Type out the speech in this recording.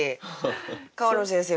川野先生